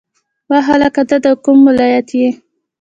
وا هلکه ته د کوم ولایت یی